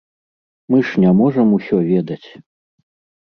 Мы ж не можам усё ведаць!